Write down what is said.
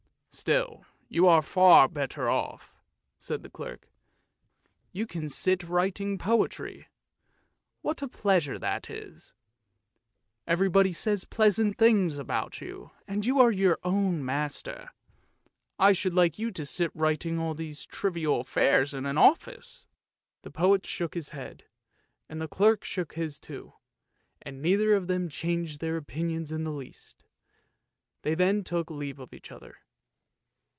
"Still you are far better off! " said the clerk; "you can sit writing poetry, what a pleasure that is. Everybody says pleasant things to you, and you are your own master. I should like you to sit writing about all these trivial affairs in an office! " The poet shook his head, the clerk shook his too, and neither of them changed their opinions in the least. They then took leave of each other.